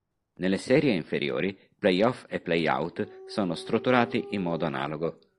Nelle serie inferiori, playoff e playout sono strutturati in modo analogo.